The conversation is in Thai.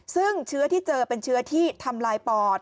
ซึ่งเชื้อที่เจอเป็นเชื้อที่ทำลายปอด